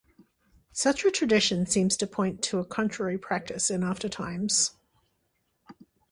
Such a tradition seems to point to a contrary practice in aftertimes.